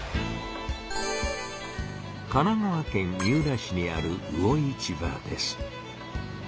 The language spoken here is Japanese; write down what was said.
神奈川県三浦市にある魚市場です。